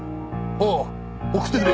ああ送ってくれ。